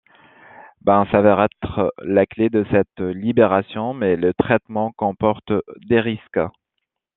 Ben s'avère être la clé de cette libération, mais le traitement comporte des risques.